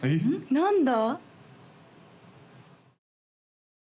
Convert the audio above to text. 何だ？